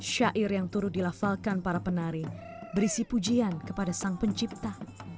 syair yang turut dilafalkan para penari berisi pujian kepada sang pencipta